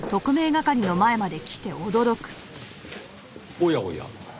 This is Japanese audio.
おやおや。